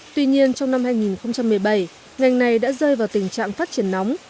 tuy nhiên trong năm hai nghìn một mươi bảy ngành này đã rơi vào tình trạng phát triển nóng